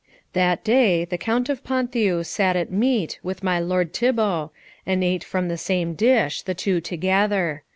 That day the Count of Ponthieu sat at meat with my lord Thibault, and ate from the same dish, the two together.